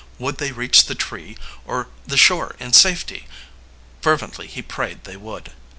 Would they reach the tree or the shore in safety? Fervently he prayed they would.